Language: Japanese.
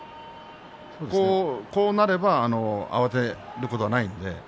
こうなれば慌てることはないので。